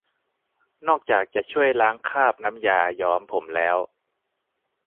นอกจากจะช่วยล้างคราบน้ำยาย้อมผมแล้ว